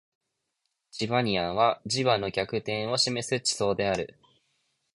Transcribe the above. チバニアンは磁場の逆転を示す地層である